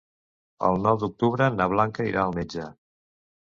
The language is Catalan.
El nou d'octubre na Blanca irà al metge.